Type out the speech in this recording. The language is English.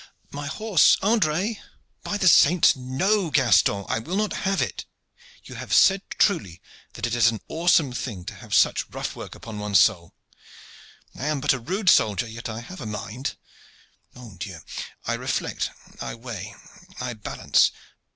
My horse, Andre!" "By the saints, no! Gaston, I will not have it! You have said truly that it is an awesome thing to have such rough work upon one's soul. I am but a rude soldier, yet I have a mind. Mon Dieu! I reflect, I weigh, I balance.